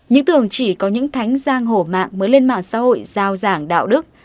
những tường chỉ có những thánh giang hổ mạng mới lên mạng xã hội giao giảng đạo đức